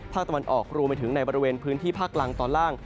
ภาคตะวันออกรวมไปถึงในบริเวณพื้นที่ภาคกลางตอนล่าง